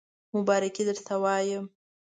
مبارکی درته وایم